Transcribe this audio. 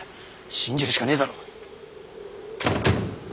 信じるしかねえだろ！